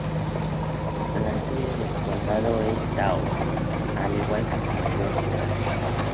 La sede del condado es Taos, al igual que su mayor ciudad.